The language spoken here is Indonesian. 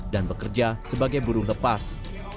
dan bekerja sebagai burung lepas